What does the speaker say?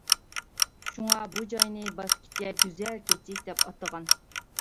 شۇڭا بۇ جاينى باسكىچە «گۈزەل كېچىك» دەپ ئاتىغان.